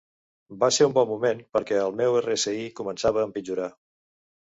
Va ser un bon moment, perquè el meu RSI començava a empitjorar.